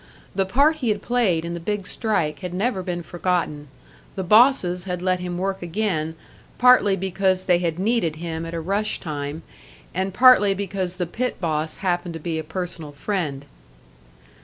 The part he had played in the big strike had never been forgotten; the bosses had let him work again, partly because they had needed him at a rush time, and partly because the pit boss happened to be a personal friend.